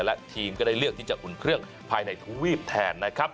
และทีมก็ได้เลือกที่จะอุ่นเครื่องภายในทวีปแทนนะครับ